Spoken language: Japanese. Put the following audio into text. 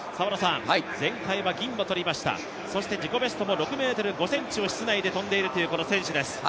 前回は銀を取りました、そして自己ベストも６ｍ５ｃｍを室内で跳んでいるという選手です。